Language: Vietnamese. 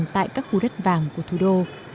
tại các khu đất vàng của thủ đô